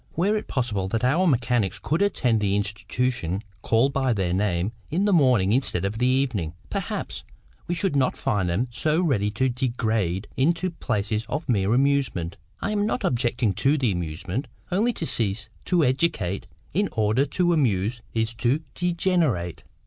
Were it possible that our mechanics could attend the institutions called by their name in the morning instead of the evening, perhaps we should not find them so ready to degenerate into places of mere amusement. I am not objecting to the amusement; only to cease to educate in order to amuse is to degenerate.